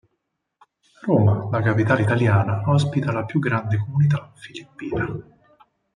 Roma, la capitale italiana, ospita la più grande comunità filippina.